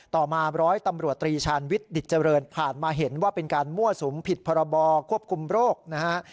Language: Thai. ต่อมาร้อยตำรวจตรีชาญวิทย์ดิจเจริญผ่านมาเห็นว่าเป็นการมั่วสุมผิดพรบควบคุมโรคนะฮะ